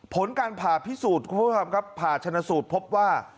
ผลการผ่าพิสูจน์คุณผู้ชมครับผ่าชนสูตรพบว่า